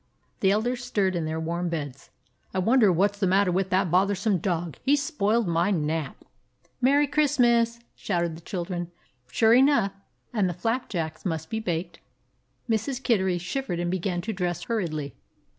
The elders stirred in their warm beds. "I wonder what 's the matter with that bother some dog? He 's spoiled my nap." 170 A BROOKLYN DOG "Merry Christmas!" shouted the children. Sure enough, and the flapjacks must be baked. Mrs. Kittery shivered and began to dress hur riedly.